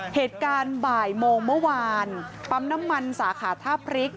เหตุการณ์บ่ายโมงเมื่อวานปั๊มน้ำมันสาขาท่าพริก